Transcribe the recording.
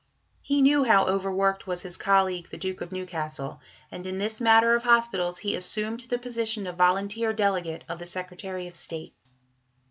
He knew how over worked was his colleague, the Duke of Newcastle, and in this matter of hospitals he assumed the position of volunteer delegate of the Secretary of State.